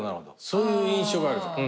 そういう印象があるじゃん。